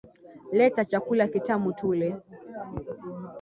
Leta chakula kitamu tule